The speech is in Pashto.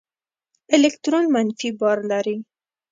الکترون منفي بار لري.